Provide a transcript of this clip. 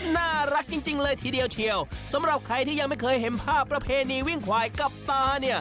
น่ารักจริงเลยทีเดียวเชียวสำหรับใครที่ยังไม่เคยเห็นภาพประเพณีวิ่งควายกับตาเนี่ย